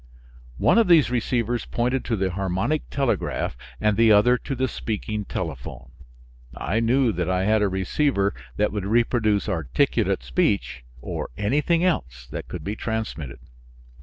One of these receivers pointed to the harmonic telegraph and the other to the speaking telephone. I knew that I had a receiver that would reproduce articulate speech or anything else that could be transmitted.